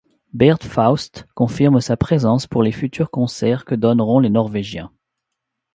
Bård Faust confirme sa présence pour les futurs concerts que donneront les norvégiens.